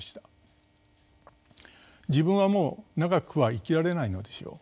「自分はもう長くは生きられないのでしょう。